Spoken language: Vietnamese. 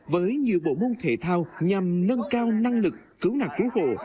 với nhiều bộ môn thể thao nhằm nâng cao năng lực cứu nạn cứu hộ